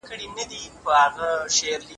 سیاست د حکومت کولو له ډولونو بحث کوي.